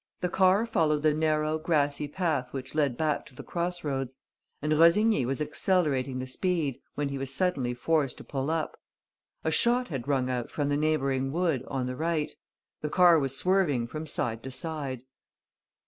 The car followed the narrow, grassy path which led back to the cross roads and Rossigny was accelerating the speed, when he was suddenly forced to pull up. A shot had rung out from the neighbouring wood, on the right. The car was swerving from side to side.